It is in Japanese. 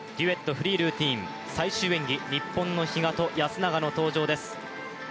フリールーティン、最終演技、日本の比嘉と安永の登場です。